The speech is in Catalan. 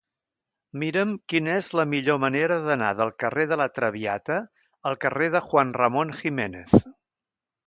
Mira'm quina és la millor manera d'anar del carrer de La Traviata al carrer de Juan Ramón Jiménez.